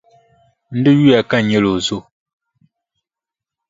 N di yuya ka n nyɛla o zo.